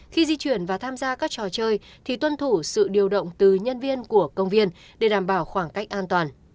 khi di chuyển và tham gia các trò chơi thì tuân thủ sự điều động từ nhân viên của công viên để đảm bảo khoảng cách an toàn